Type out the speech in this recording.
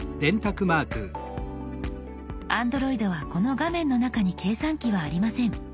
Ａｎｄｒｏｉｄはこの画面の中に計算機はありません。